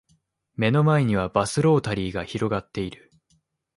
目の前にはバスロータリーが広がっている